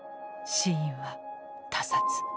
死因は「他殺」。